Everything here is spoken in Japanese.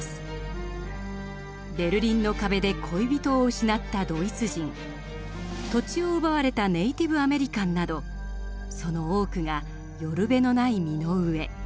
ベルリンの壁で恋人を失ったドイツ人土地を奪われたネイティブアメリカンなどその多くが寄る辺のない身の上。